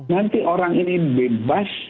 nanti orang ini bebas